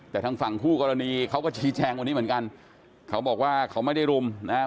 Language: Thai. แต่ทางฝั่งคู่กรณีเขาก็ชี้แจงวันนี้เหมือนกันเขาบอกว่าเขาไม่ได้รุมนะฮะ